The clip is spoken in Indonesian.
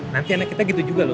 nanti anak kita gitu juga loh